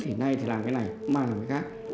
thì nay thì làm cái này mai là cái khác